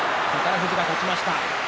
富士が勝ちました。